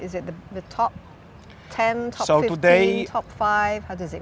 apakah top sepuluh top lima belas top lima bagaimana itu berhasil